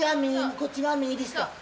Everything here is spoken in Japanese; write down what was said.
こっちが右ですか。